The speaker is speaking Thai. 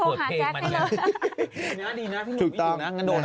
ดีนั้นดีนะพี่หนูอยู่นานั้นโดนนะ